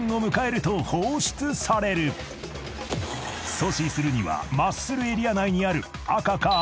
［阻止するにはマッスルエリア内にある赤か青。